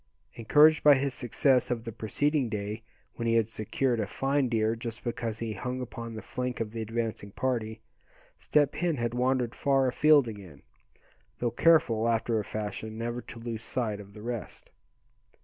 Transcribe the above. Encouraged by his success of the preceding day, when he had secured a fine deer just because he hung upon the flank of the advancing party, Step Hen had wandered far afield again, though careful, after a fashion, never to lose sight of the rest.